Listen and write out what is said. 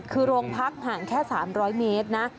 คือโรงพักห่างแค่๓๐๐เมตรนะ